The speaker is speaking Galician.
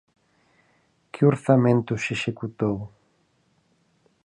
¿Que orzamento se executou?